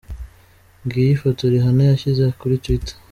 Ngiyo ifoto Rihanna yashyize kuri twitter.